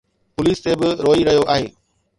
Police تي به روئي رهيو آهي.